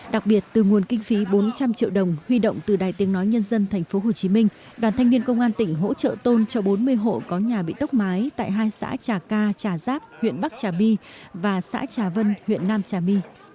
đặc biệt từ nguồn kinh phí bốn trăm linh triệu đồng huy động từ đài tiếng nói nhân dân tp hcm đoàn thanh niên công an tỉnh hỗ trợ tôn cho bốn mươi hộ có nhà bị tốc mái tại hai xã trà ca trà giáp huyện bắc trà my và xã trà vân huyện nam trà my